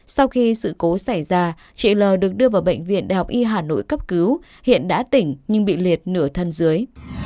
sau khi sự cố xảy ra chị l được đưa vào bệnh viện đại học y hà nội cấp cứu hiện đã tỉnh nhưng bị liệt nửa thân dưới